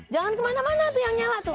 jangan kemana mana tuh yang nyala tuh